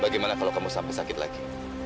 bagaimana kalau kamu sampai sakit lagi